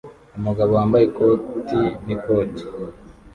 Umugabo wambaye ikoti n'ikoti